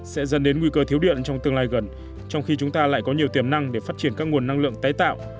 sẽ dần đến nguy cơ thiếu điện trong tương lai gần trong khi chúng ta lại có nhiều tiềm năng để phát triển các nguồn năng lượng tái tạo